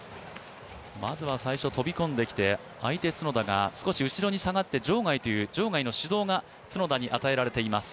まずは最初飛び込んできて、相手・角田が少し後ろに下がって場外という指導が角田に与えられています。